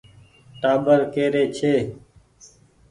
ٽآٻر ڪي ري ڇي ۔